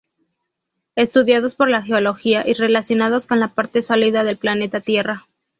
Estudiados por la geología, y relacionados con la parte sólida del planeta Tierra.